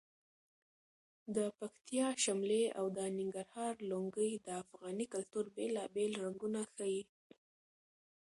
د پکتیا شملې او د ننګرهار لنګۍ د افغاني کلتور بېلابېل رنګونه ښیي.